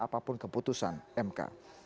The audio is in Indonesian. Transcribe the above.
dan keputusan mk